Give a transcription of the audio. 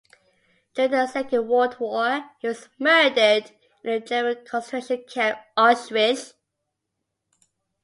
During the Second World War he was murdered in the German concentration camp Auschwitz.